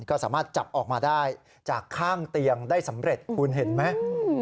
ก็สามารถจับออกมาได้จากข้างเตียงได้สำเร็จคุณเห็นไหม